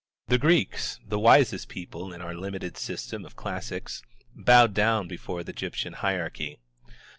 The Greeks, the wisest people in our limited system of classics, bowed down before the Egyptian hierarchy.